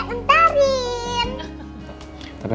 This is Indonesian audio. nanti aku nganterin lu ya